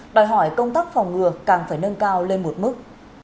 đòi hỏi công tác phòng ngừa càng phải nâng cao lên một mức